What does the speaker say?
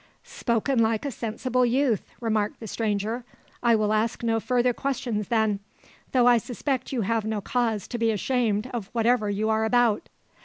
"Spoken like a sensible youth!" remarked the stranger. "I will ask no further questions then, though I suspect you have no cause to be ashamed of whatever you are about."